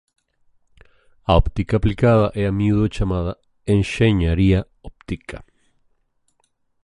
A óptica aplicada é a miúdo chamada Enxeñaría Óptica.